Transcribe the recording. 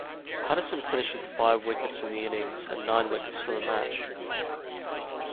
Patterson finished with five wickets in the innings and nine wickets for the match.